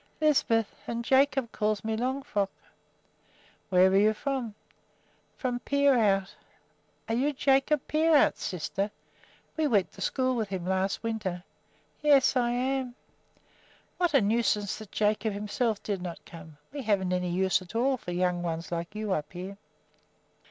"Lisbeth; and Jacob calls me Longfrock." "Where are you from?" "From Peerout." "Are you Jacob Peerout's sister? We went to school with him last winter." "Yes, I am." "What a nuisance that Jacob himself did not come! We haven't any use at all for young ones like you up here."